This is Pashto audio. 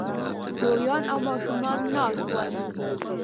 لويان او ماشومان ناست ول